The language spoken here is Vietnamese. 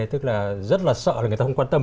tức là rất là sợ là người ta không quan tâm